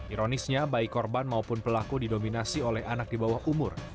ironisnya baik korban maupun pelaku didominasi oleh anak di bawah umur